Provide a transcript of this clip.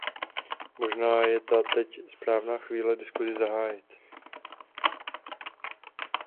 Možná je ta teď správná chvíle diskusi zahájit.